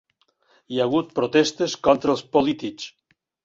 Hi ha hagut protestes contra els polítics.